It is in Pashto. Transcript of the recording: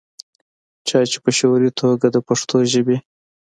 چا چې پۀ شعوري توګه دَپښتو ژبې